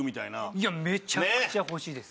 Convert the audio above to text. いやめちゃくちゃ欲しいです。